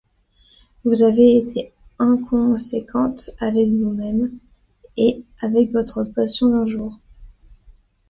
Vous avez été inconséquente avec vous-même et avec votre passion d’un jour...